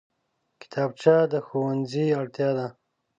کتابچه د ښوونځي اړتیا ده